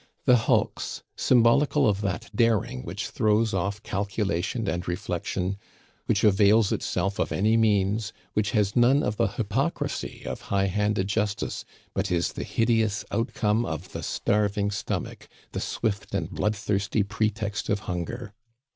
The hulks symbolical of that daring which throws off calculation and reflection, which avails itself of any means, which has none of the hyprocrisy of high handed justice, but is the hideous outcome of the starving stomach the swift and bloodthirsty pretext of hunger.